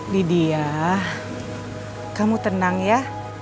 lydia kamu tenang ya